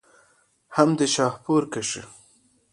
هم دې شاهپور کښې